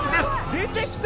出てきた！